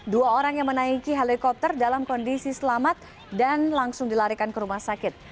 dua orang yang menaiki helikopter dalam kondisi selamat dan langsung dilarikan ke rumah sakit